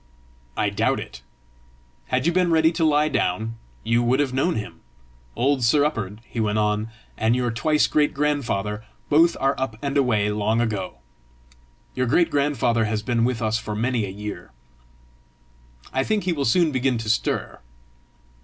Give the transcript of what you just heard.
"I doubt it. Had you been ready to lie down, you would have known him! Old Sir Up'ard," he went on, "and your twice great grandfather, both are up and away long ago. Your great grandfather has been with us for many a year; I think he will soon begin to stir.